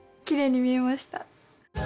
きれいに見えました